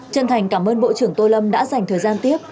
chân thành cảm ơn bộ trưởng tô lâm đã dành thời gian tiếp